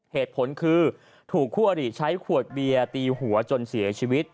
เหตุผลคือถูกคู่อริใช้ขวดเบียร์ตีหัวจนเสียชีวิต